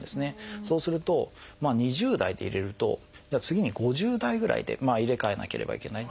そうすると２０代で入れると次に５０代ぐらいで入れ替えなければいけない。